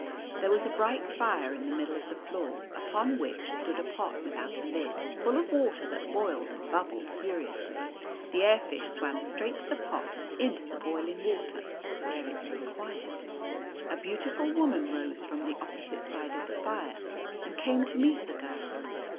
There was a O bright fire in the middle of the floor, upon which stood a pot without a lid, full of water that boiled and bub bled furiously. The air fish swam straight to the pot and into the boiling water, where it lay quiet. A beau tiful woman rose from the opposite side of the fire and came to meet the girl.